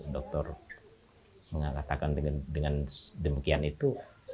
dokter mengatakan dengan demikian itu